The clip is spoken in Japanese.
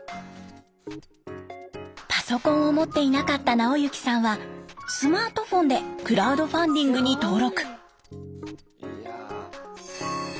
パソコンを持っていなかった直行さんはスマートフォンでクラウドファンディングに登録。